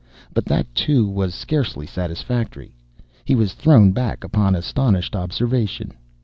But that, too, was scarcely satisfactory. He was thrown back upon astonished observation.